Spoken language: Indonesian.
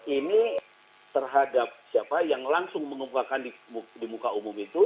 ini terhadap siapa yang langsung mengumpulkan di muka umum itu